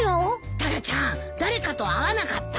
タラちゃん誰かと会わなかった？